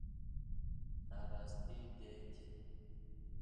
ناراستی دے تھی۔